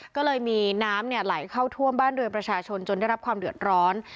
ก็เลยมีน้ำไหลเข้าท่วมบ้านเรือนประชาชนจนได้รับความเดือดร้อน